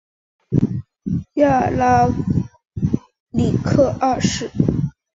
亚拉里克二世。